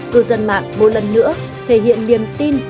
cư dân mạng một lần nữa thể hiện niềm tin